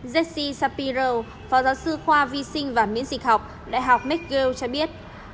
jesse shapiro phó giáo sư khoa vi sinh và miễn dịch học đại học mcgill cho biết